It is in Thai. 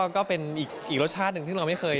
ก็เป็นอีกรสชาติหนึ่งที่เราไม่เคย